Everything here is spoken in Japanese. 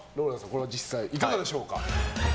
これは実際いかがでしょうか。